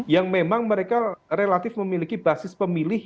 yang memang mereka relatif memiliki basis pemilih